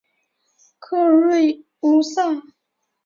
克瑞乌萨。